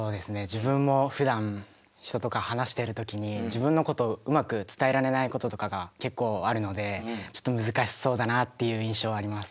自分もふだん人とか話してる時に自分のことをうまく伝えられないこととかが結構あるのでちょっと難しそうだなっていう印象はあります。